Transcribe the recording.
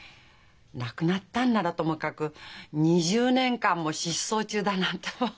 亡くなったんならともかく２０年間も失踪中だなんて。